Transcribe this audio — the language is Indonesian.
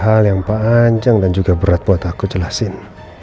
hal yang panjang dan juga berat buat aku jelasin